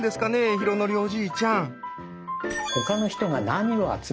浩徳おじいちゃん。